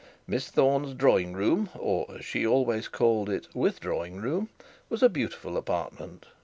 Miss Thorne's drawing room, or, as she always called it, withdrawing room, was a beautiful apartment.